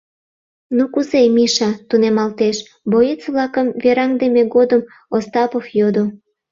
— Ну кузе, Миша, тунемалтеш? — боец-влакым вераҥдыме годым Остапов йодо.